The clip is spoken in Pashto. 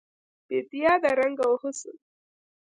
بیدیا د رنګ او حسن